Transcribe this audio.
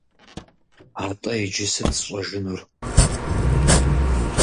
Атӏэ иджы сыт сщӏэжынур?